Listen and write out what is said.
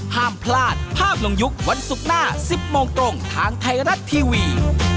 ห้ามพลาดภาพลงยุควันศุกร์หน้า๑๐โมงตรงทางไทยรัฐทีวี